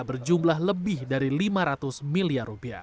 berjumlah lebih dari lima ratus miliar rupiah